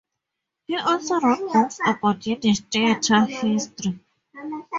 He also wrote books about Yiddish theater history.